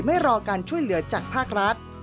ไม่รอการช่วยเหลือจากภาครัฐ